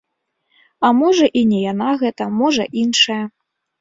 А можа і не яна гэта, можа іншая.